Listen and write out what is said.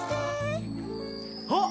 あっ！